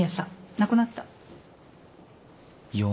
亡くなった。